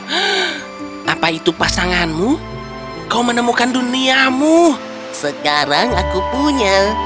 hmm apa itu pasanganmu kau menemukan duniamu sekarang aku punya